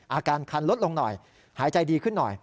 อาการคันลดลงหน่อยหายใจดีขึ้นหน่อย